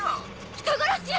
人殺しよ！